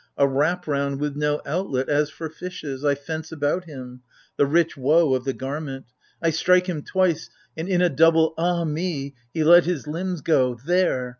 A >^p rouiM with no outlet, as for fishes, I fence about him — the rich woe of the garment : I strike him twice, and in a double " Ah me !" He let his limbs go — there